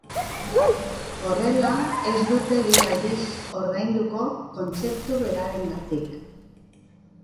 Horrela ez dute bi aldiz ordainduko kontzeptu berarengatik